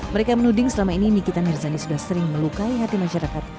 mereka menuding selama ini nikita mirzani sudah sering melukai hati masyarakat